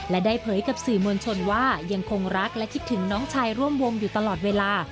และได้เผยกับสื่อมวลชนว่ายังคงรักและคิดถึงน้องชายร่วมวงอยู่ตลอดเวลา